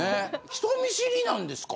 人見知りなんですか？